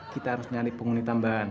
kita harus nyari penghuni tambahan